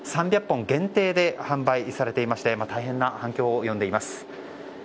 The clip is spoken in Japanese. ３００本限定で販売されていまして大変な反響を呼んでいます。